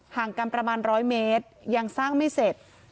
ห่างกันประมาณ๑๐๐เมตรยังสร้างไม่เสร็จ